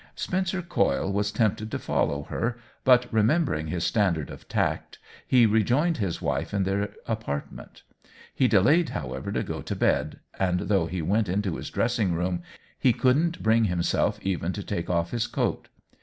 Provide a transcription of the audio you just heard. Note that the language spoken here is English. Spencer Coyle was tempted to follow her, but remembering his standard of tact, he re joined his wife in their apartment. He de layed, however, to go to bed, and though he went into his dressing room, he couldn't bring himself even to take off his coat.